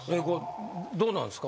どうなんすか？